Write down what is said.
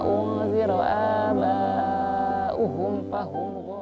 saya menghadirkan mereka menghadirkan anaknya